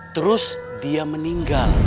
terus dia meninggal